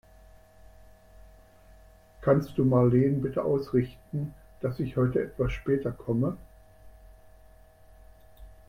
Kannst du Marleen bitte ausrichten, dass ich heute etwas später komme?